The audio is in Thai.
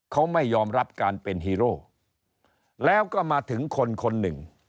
เขาไม่ยอมรับการเป็นฮีโร่แล้วก็มาถึงคนคนหนึ่ง